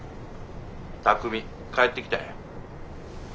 巧海帰ってきたんや。